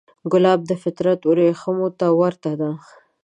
ګلاب د فطرت وریښمو ته ورته دی.